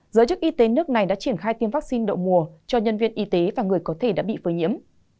giới chức y tế nước này đã triển khai tiêm vaccine đậu mùa cho nhân viên y tế và người có thể đã bị phơi nhiễm